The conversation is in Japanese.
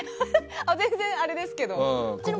全然、あれですけど。